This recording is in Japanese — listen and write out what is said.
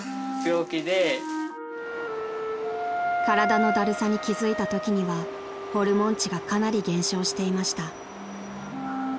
［体のダルさに気付いたときにはホルモン値がかなり減少していました］